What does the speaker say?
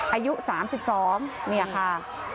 อายุ๓๒เนี่ยค่ะ